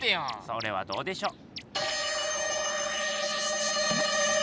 それはどうでしょう？